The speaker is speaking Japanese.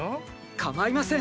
かまいません！